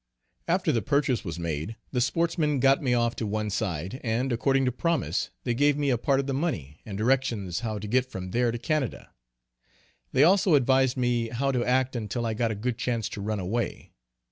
After the purchase was made, the sportsmen got me off to one side, and according to promise they gave me a part of the money, and directions how to get from there to Canada. They also advised me how to act until I got a good chance to run away.